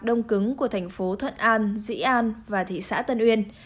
đông cứng của thành phố thuận an dĩ an và thị xã tân uyên